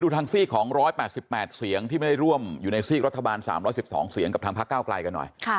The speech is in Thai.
ทางซีกของ๑๘๘เสียงที่ไม่ได้ร่วมอยู่ในซีกรัฐบาล๓๑๒เสียงกับทางพักเก้าไกลกันหน่อย